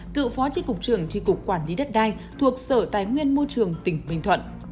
cựu phó tri cục trường tri cục quản lý đất đai thuộc sở tài nguyên môi trường tỉnh bình thuận